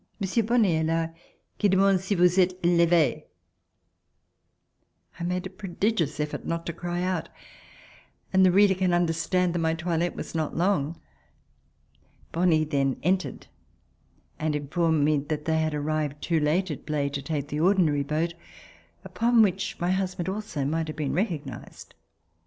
Monsieur Bonle est la qui demande si vous etes levee." I made a prodigious effort not to cry out, and the reader can understand that my toilette was not long. Bonle then entered and informed me that they had arrived too late at Blaye to take the ordinary boat, upon which my husband also might have been recognized.